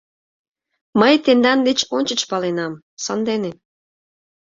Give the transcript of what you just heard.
Мый тендан деч ончыч паленам, сандене.